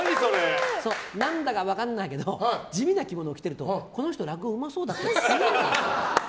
なんだか分からないけど地味な着物を着てるとこの人、落語うまそうだなって見えるんですよ。